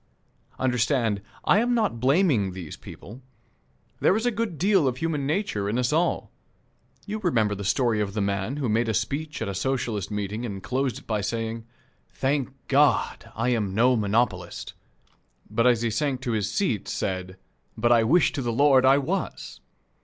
Understand, I am not blaming these people. There is a good deal of human nature in us all. You remember the story of the man who made a speech at a Socialist meeting, and closed it by saying, "Thank God, I am no monopolist," but as he sank to his seat said, "But I wish to the Lord I was!"